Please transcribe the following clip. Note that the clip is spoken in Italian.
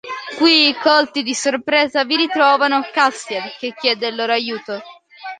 Qui, colti di sorpresa, vi ritrovano Castiel che chiede il loro aiuto.